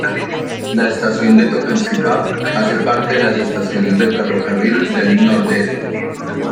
La estación de Tocancipá hace parte de las estaciones de ferrocarril del Nordeste.